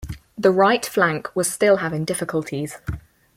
The right flank was still having difficulties.